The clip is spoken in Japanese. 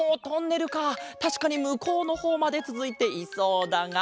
たしかにむこうのほうまでつづいていそうだが。